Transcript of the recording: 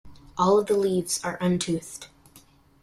All of the leaves are untoothed.